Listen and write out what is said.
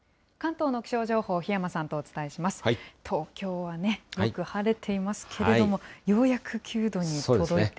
東京はね、よく晴れていますけれども、ようやく９度に届いて。